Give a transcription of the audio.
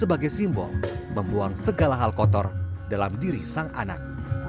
sebagai simbol membuang segala hal kotor dalam diri sang anak